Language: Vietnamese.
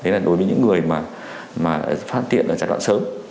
đấy là đối với những người mà phát hiện ở giai đoạn sớm